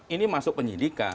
ini masuk penyidikan